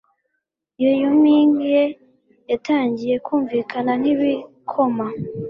iyo humming ye yatangiye kumvikana nkibikoma